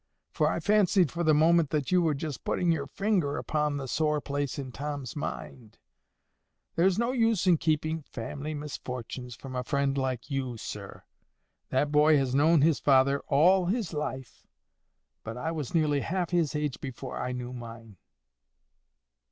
For I fancied for the moment that you were just putting your finger upon the sore place in Tom's mind. There's no use in keeping family misfortunes from a friend like you, sir. That boy has known his father all his life; but I was nearly half his age before I knew mine."